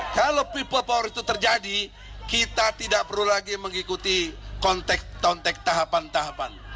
kalau people power itu terjadi kita tidak perlu lagi mengikuti konteks tahapan tahapan